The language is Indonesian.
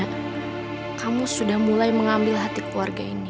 alah kamu sudah mulai mengaml hati ke wilde ini